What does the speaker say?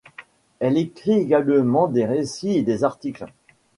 Elle écrit également des récits et des articles.